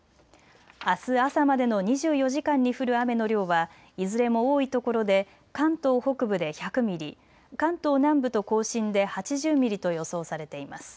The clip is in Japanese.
あす朝までの２４時間に降る雨の量はいずれも多いところで関東北部で１００ミリ、関東南部と甲信で８０ミリと予想されています。